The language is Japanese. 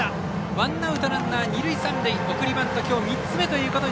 ワンアウト、ランナー、二塁三塁送りバント、きょう３つ目。